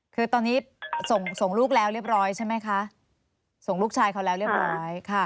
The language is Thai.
คือตอนนี้ส่งส่งลูกแล้วเรียบร้อยใช่ไหมคะส่งลูกชายเขาแล้วเรียบร้อย